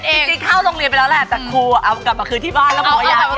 จริงเข้าโรงเรียนไปแล้วแหละแต่ครูเอากลับมาคืนที่บ้านแล้วหมออยาก